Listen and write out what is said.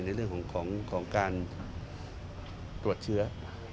ในเรื่องของการตรวจเชื้อ